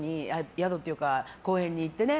宿っていうか、公演に行ってね。